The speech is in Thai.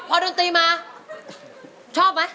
พอดูนตีมาชอบมะ